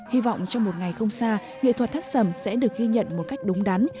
hy vọng trong một ngày không xa nghệ thuật hát sẩm sẽ được ghi nhận một cách đúng đắn